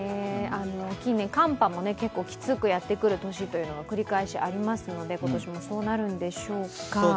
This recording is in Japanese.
近年、寒波も結構きつくやってくる年が繰り返しありますので、今年もそうなるんでしょうか。